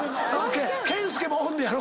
健介もおんねやろ？